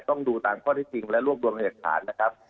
ต้องดูตามข้อที่จริงและลวกดวงเหตุผลขาดนะครับ